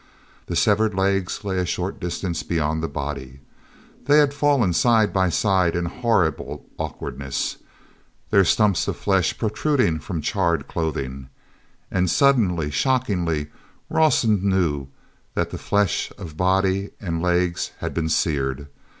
The severed legs lay a short distance beyond the body; they had fallen side by side in horrible awkwardness, their stumps of flesh protruding from charred clothing—and suddenly, shockingly, Rawson knew that the flesh of body and legs had been seared.